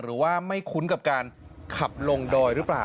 หรือว่าไม่คุ้นกับการขับลงดอยหรือเปล่า